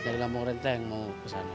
dari lampung renteng mau ke sana